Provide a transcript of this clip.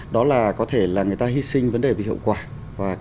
đó là có thể là người ta hy sinh vấn đề về hiệu quả